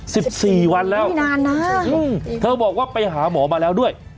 สิบสี่วันแล้วไม่นานนะอืมเธอบอกว่าไปหาหมอมาแล้วด้วย